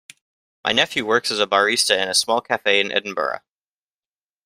My nephew works as a barista in a small cafe in Edinburgh.